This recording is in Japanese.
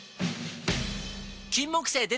金木犀でた！